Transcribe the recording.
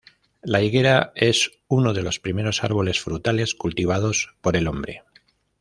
La higuera es uno de los primeros árboles frutales cultivados por el hombre.